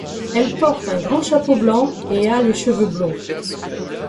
Elle porte un grand chapeau blanc et a les cheveux blonds.